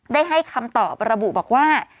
ได้ให้คำตอบระบุบอกว่า